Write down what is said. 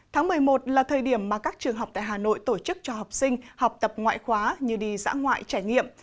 tháng một mươi một là thời điểm mà các trường học tại hà nội tổ chức cho học sinh học tập ngoại khóa như đi dã ngoại trải nghiệm